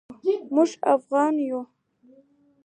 موږ افعانان یو